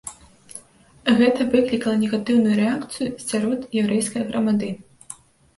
Гэта выклікала негатыўную рэакцыю сярод яўрэйскай грамады.